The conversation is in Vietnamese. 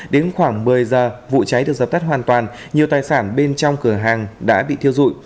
đến khoảng một mươi giờ vụ cháy được dập tắt hoàn toàn nhiều tài sản bên trong cửa hàng đã bị thiêu dụi